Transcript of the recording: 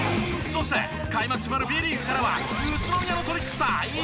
そして開幕迫るＢリーグからは宇都宮のトリックスター鵤誠司が登場！